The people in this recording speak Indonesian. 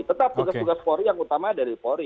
tetap tugas tugas pori yang utama dari pori